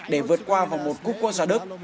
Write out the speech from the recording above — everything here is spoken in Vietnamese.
để vượt qua vòng một cúp quốc gia đức